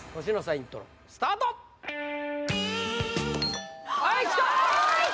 イントロスタートはいきた！